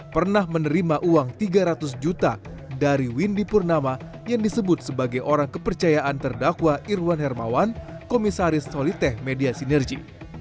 pernah menerima uang tiga ratus juta dari windy purnama yang disebut sebagai orang kepercayaan terdakwa irwan hermawan komisaris soliteh media sinergi